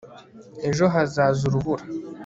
ejo hazaza urubura